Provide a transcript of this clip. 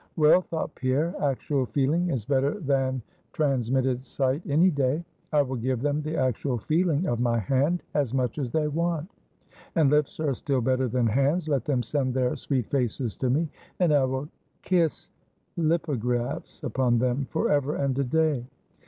Well, thought Pierre, actual feeling is better than transmitted sight, any day. I will give them the actual feeling of my hand, as much as they want. And lips are still better than hands. Let them send their sweet faces to me, and I will kiss lipographs upon them forever and a day.